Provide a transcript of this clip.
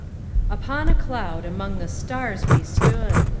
Upon a cloud among the stars we stood.